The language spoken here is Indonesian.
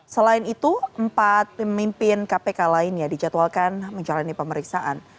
selain itu empat pemimpin kpk lainnya dijadwalkan menjalani pemeriksaan